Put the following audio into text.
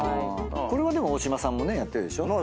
これはでも大島さんもねやってるでしょ。